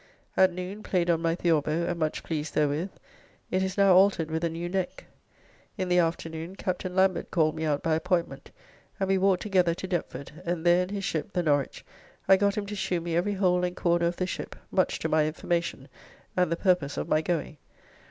At noon played on my Theorbo, and much pleased therewith; it is now altered with a new neck. In the afternoon Captain Lambert called me out by appointment, and we walked together to Deptford, and there in his ship, the Norwich, I got him to shew me every hole and corner of the ship, much to my information, and the purpose of my going.